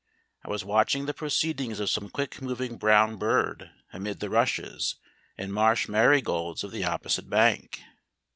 I was watching the proceedings of some quick moving brown bird amid the rushes and marsh marigolds of the opposite bank.